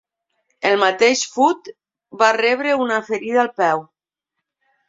El mateix Foote va rebre una ferida al peu.